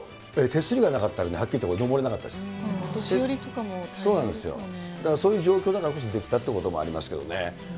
手すりなかったらお年寄りとだからそういう状況だからできたということもありますけれどもね。